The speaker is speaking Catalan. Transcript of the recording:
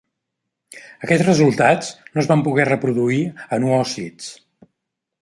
Aquests resultats no es van poder reproduir en oòcits.